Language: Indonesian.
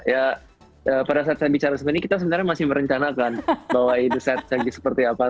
ya pada saat saya bicara seperti ini kita sebenarnya masih merencanakan bahwa itu set segi seperti apa